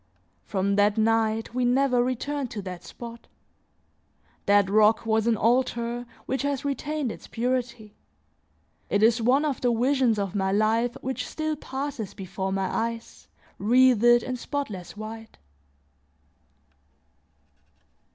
From that night, we never returned to that spot. That rock was an altar which has retained its purity; it is one of the visions of my life which still passes before my eyes wreathed in spotless white.